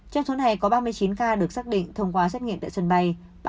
trong số này có ba mươi chín ca được xác định thông qua xét nghiệm tại sân bay